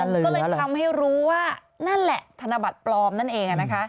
ก็เลยทำให้รู้ว่านั่นแหละธนบัตรปลอมนั่นเอง